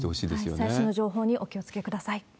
最新の情報にお気をつけください。